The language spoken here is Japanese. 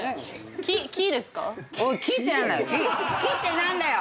おい「木」って何だよ